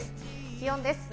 気温です。